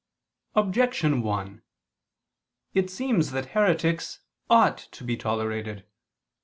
Objection 1: It seems that heretics ought to be tolerated.